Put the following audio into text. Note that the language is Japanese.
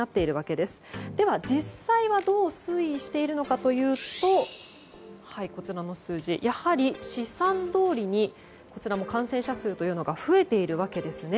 では、実際はどう推移しているのかというとこちらの数字、試算どおりに感染者数というのが増えているわけですね。